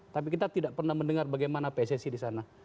tapi kita tidak pernah mendengar bagaimana pssi di sana